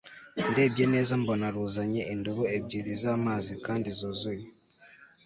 ndebye neza mbona ruzanye indobo ebyiri zamazi kandi zuzuye